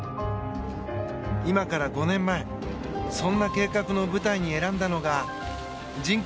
今から５年前そんな計画の舞台に選んだのが人口